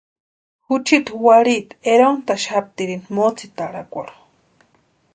Juchiti warhiiti erontaxaptirini motsetarakwarhu.